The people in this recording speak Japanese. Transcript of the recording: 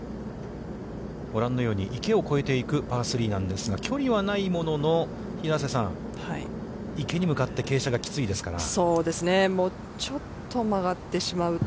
ご覧のように、池を越えていくパー３なんですが、距離はないものの、平瀬さん、池に向かって傾斜がきついですから。